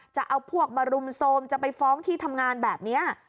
จะเอาพวกมารุมโทรมจะไปฟ้องที่ทำงานแบบนี้